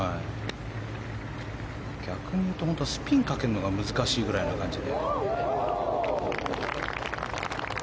逆に言うとスピンをかけるのが難しい感じで。